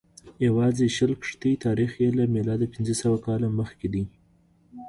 یوازې شل کښتۍ تاریخ یې له میلاده پنځه سوه کاله مخکې دی.